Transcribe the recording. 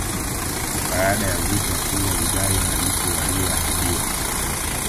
Baada ya vita kuu walidai malipo waliyoahidiwa